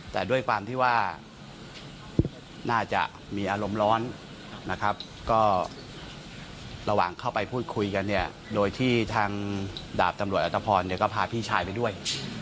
แต่ด้วยความที่ว่าน่าจะมีอารมณ์ร้อนนะครับก็ระหว่างเข้าไปพูดคุยกันเนี่ยโดยที่ทางดาบตำรวจอัตภพรเนี่ยก็พาพี่ชายไปด้วย